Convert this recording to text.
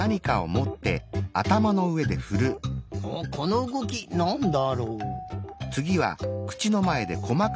おっこのうごきなんだろう？